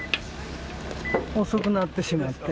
遅くなってしまって。